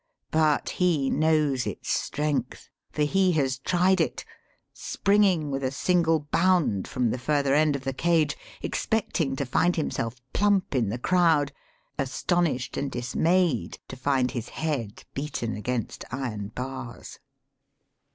But he knows its strength, for he has tried it, springing with a single bound from the further end of the cage, expecting to find himself plump in the crowd, astonished and dismayed to find his head beaten against iron bars.